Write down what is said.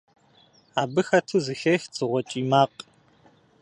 Абы хэту зэхех дзыгъуэ кӀий макъ.